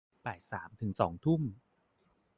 บ่ายสามถึงสองทุ่ม